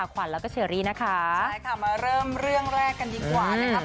ขวัญแล้วก็เชอรี่นะคะใช่ค่ะมาเริ่มเรื่องแรกกันดีกว่านะครับ